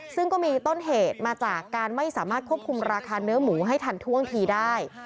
ซึ่งก็มีต้นเหตุมาจากการไม่สามารถควบคุมราคาเนื้อหมูให้ทันท่วงทีได้